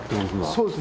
そうですね。